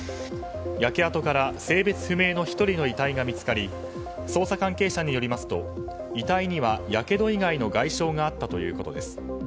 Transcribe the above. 焼け跡から性別不明の１人の遺体が見つかり捜査関係者によりますと遺体には、やけど以外の外傷があったということです。